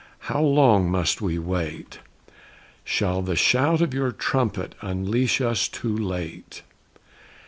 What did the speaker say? How long must we wait? Shall the shout of your trumpet unleash us too late?